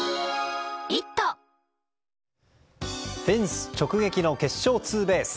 フェンス直撃の決勝ツーベース。